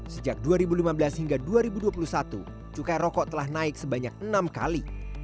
sejak dua ribu lima belas hingga dua ribu dua puluh satu cukai rokok telah naik sebanyak enam kali